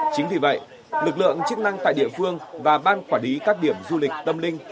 chính vì vậy lực lượng chức năng tại địa phương và ban quản lý các điểm du lịch tâm linh